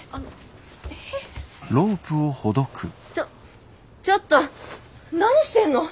ちょっちょっと何してんの？